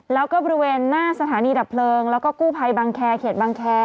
แล้วก็บริเวณหน้าสถานีดับเพลิงแล้วก็กู้ภัยบังแคร์เขตบางแคร์